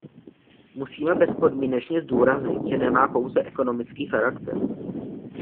Musíme bezpodmínečně zdůraznit, že nemá pouze ekonomický charakter.